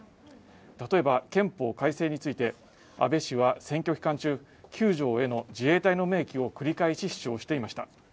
例えば憲法改正について安倍氏は選挙期間中９条への自衛隊の明記を繰り返し主張していました